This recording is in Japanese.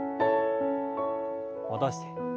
戻して。